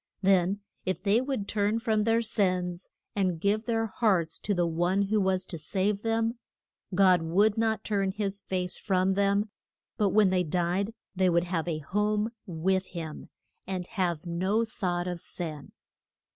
Then if they would turn from their sins, and give their hearts to the One who was to save them, God would not turn his face from them, but when they died they would have a home with him, and have no thought of sin.